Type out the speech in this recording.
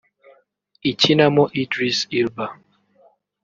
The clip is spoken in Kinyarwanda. Ikinamo Idris Ilba